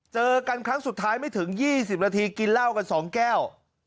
เจอกันครั้งสุดท้ายไม่ถึง๒๐นาทีกินเหล้ากัน๒แก้ว